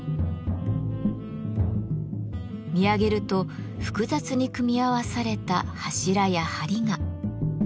見上げると複雑に組み合わされた柱や梁が。